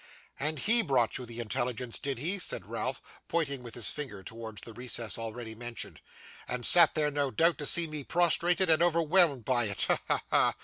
'And HE brought you the intelligence, did he?' said Ralph, pointing with his finger towards the recess already mentioned; 'and sat there, no doubt, to see me prostrated and overwhelmed by it! Ha, ha, ha!